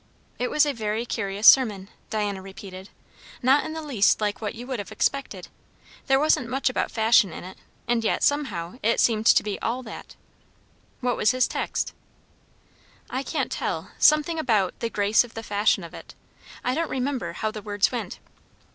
"It was a very curious sermon," Diana repeated. "Not in the least like what you would have expected. There wasn't much about fashion in it; and yet, somehow it seemed to be all that." "What was his text?" "I can't tell; something about 'the grace of the fashion of it.' I don't remember how the words went."